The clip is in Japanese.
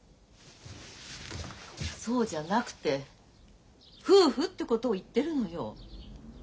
そうじゃなくて夫婦ってことを言ってるのよ。